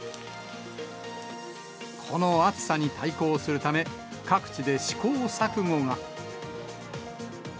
この暑さに対抗するため、各地で試行錯誤が。